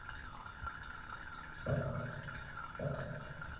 بله ښځه په دوه وېشتو دقیقو کې احمق شخص جوړوي.